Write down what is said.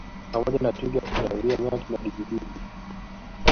Pamoja na Twiga pundamilia Nyati na digidigi